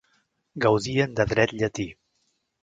Gaudien de dret llatí.